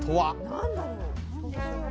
何だろう？